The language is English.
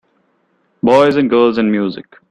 Boys and girls and music.